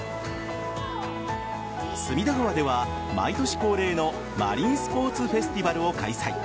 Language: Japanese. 隅田川では毎年恒例のマリンスポーツフェスティバルを開催。